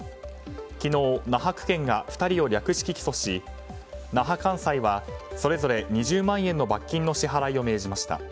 昨日、那覇区検が２人を略式起訴し那覇簡裁はそれぞれ２０万円の罰金の支払いを命じました。